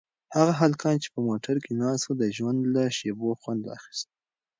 هغه هلکان چې په موټر کې ناست وو د ژوند له شېبو خوند اخیست.